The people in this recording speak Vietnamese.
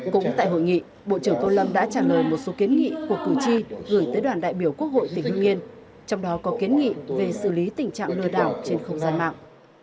cũng tại hội nghị bộ trưởng tô lâm đã trả lời một số kiến nghị của cử tri gửi tới đoàn đại biểu quốc hội tỉnh hưng yên trong đó có kiến nghị về xử lý tình trạng lừa đảo trên không gian mạng